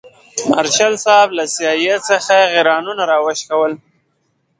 مارشال صاحب له سي آی اې څخه غیرانونه راوشکول.